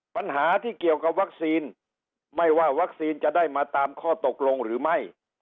ปัญหาที่เกี่ยวกับวัคซีนไม่ว่าวัคซีนจะได้มาตามข้อตกลงหรือไม่